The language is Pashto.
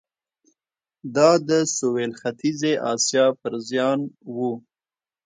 دا د سوېل ختیځې اسیا پر زیان و.